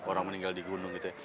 orang meninggal di gunung gitu ya